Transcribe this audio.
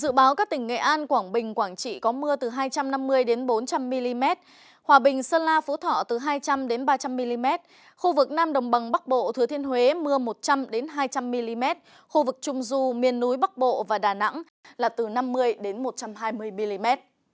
dự báo các tỉnh nghệ an quảng bình quảng trị có mưa từ hai trăm năm mươi bốn trăm linh mm hòa bình sơn la phú thọ từ hai trăm linh ba trăm linh mm khu vực nam đồng bằng bắc bộ thừa thiên huế mưa một trăm linh hai trăm linh mm khu vực trung du miền núi bắc bộ và đà nẵng là từ năm mươi đến một trăm hai mươi mm